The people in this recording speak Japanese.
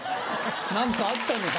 何かあったのか？